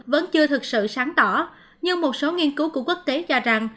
vẫn chưa thực sự sáng tỏ nhưng một số nghiên cứu của quốc tế cho rằng